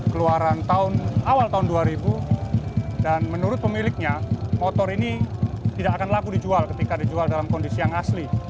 keluaran awal tahun dua ribu dan menurut pemiliknya motor ini tidak akan laku dijual ketika dijual dalam kondisi yang asli